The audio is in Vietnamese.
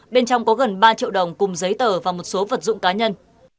bên trong có gần ba triệu đồng cùng giấy tờ và một số vật dụng cá nhân